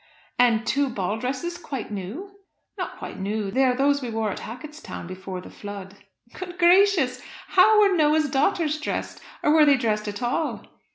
"And two ball dresses, quite new?" "Not quite new. They are those we wore at Hacketstown before the flood." "Good gracious! How were Noah's daughters dressed? Or were they dressed at all?"